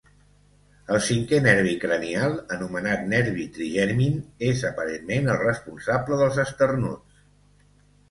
El cinquè nervi cranial, anomenat nervi trigemin, és aparentment el responsable dels esternuts.